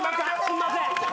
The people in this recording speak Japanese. すんません！